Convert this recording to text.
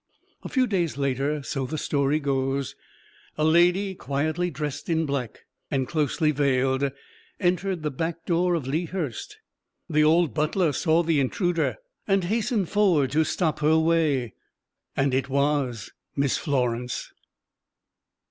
A few days later so the story goes a lady quietly dressed in black, and closely veiled, entered the back door of Lea Hurst. The old butler saw the intruder, and hastened forward to stop her way and it was "Miss Florence!"